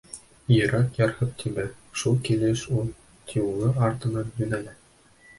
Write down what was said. Йөрәк ярһып тибә, шул килеш ул Тиули артынан йүнәлә.